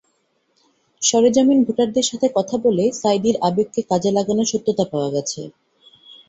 সরেজমিন ভোটারদের সঙ্গে কথা বলে সাঈদীর আবেগকে কাজে লাগানোর সত্যতা পাওয়া গেছে।